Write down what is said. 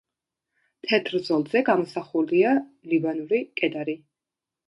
თეთრ ზოლზე გამოსახულია ლიბანური კედარი.